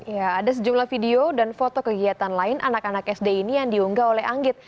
ya ada sejumlah video dan foto kegiatan lain anak anak sd ini yang diunggah oleh anggit